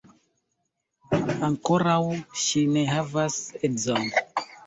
Ankoraŭ ŝi ne havas edzon.